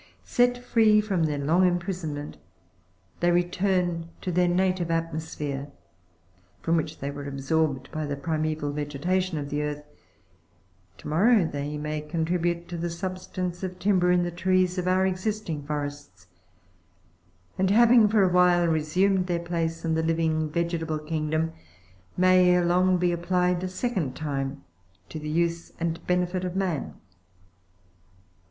Set free from their long imprisonment, they return to their native atmosphere, from which they were absorbed by the primeval vegetation of the earth. To morrow they may contribute to the substance of timber in the trees of our existing forests ; and, having for a while resumed their place in the living vegetable kingdom, may, ere long, be applied a second lime to the use and benefit of man.